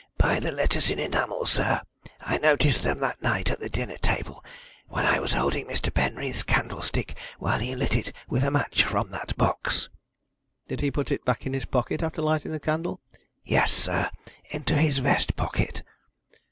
"By the letters in enamel, sir. I noticed them that night at the dinner table, when I was holding Mr. Penreath's candlestick while he lit it with a match from that box." "Did he put it back in his pocket after lighting the candle?" "Yes, sir; into his vest pocket."